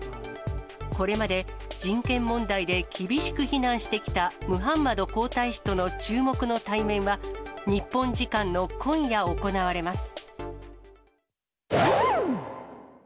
これまで、人権問題で厳しく非難してきたムハンマド皇太子との注目の対面は、日本時間の今夜行われます。